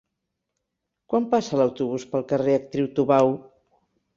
Quan passa l'autobús pel carrer Actriu Tubau?